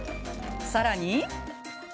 さらに。